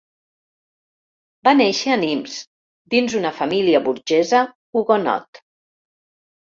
Va néixer a Nimes dins una família burgesa hugonot.